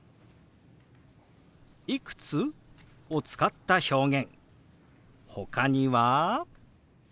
「いくつ？」を使った表現ほかには。